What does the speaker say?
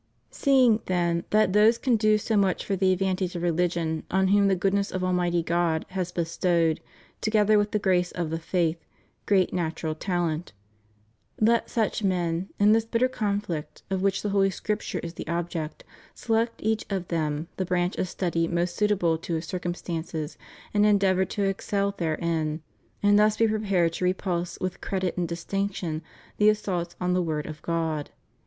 Seeing, then, that those can do so much for the advantage of reUgion on whom the goodness of Abnighty God has bestowed, together with the grace of the faith, great natural talent, let such men, in this bitter conflict of which the Holy Scripture is the object, select each of them the branch of study most suitable to his circumstances, and endeavor to excel therein, and thus be prepared to repulse with credit and distinction the assaults on the Word of God.